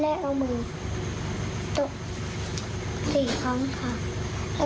แล้วก็เอานมเท้า